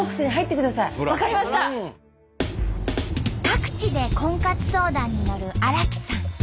各地で婚活相談に乗る荒木さん。